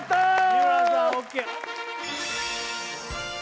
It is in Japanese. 日村さんＯＫ